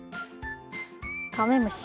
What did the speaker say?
カメムシ。